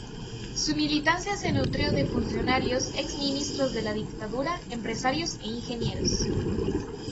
Su militancia se nutrió de funcionarios, exministros de la dictadura, empresarios e ingenieros.